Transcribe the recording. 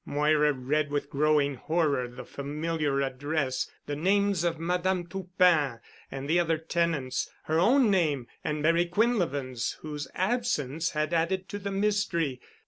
Moira read with growing horror the familiar address, the names of Madame Toupin and the other tenants, her own name and Barry Quinlevin's, whose absence had added to the mystery.